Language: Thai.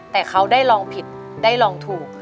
แต่เขาได้ลองผิดได้ลองถูก